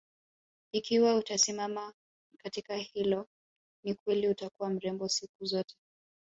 Ikiwa utasimama katika hilo ni kweli utakuwa mrembo siku zote